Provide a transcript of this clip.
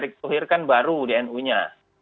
erick thohir kan baru di nu nya